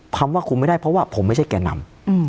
คำว่าคุมไม่ได้เพราะว่าผมไม่ใช่แก่นำ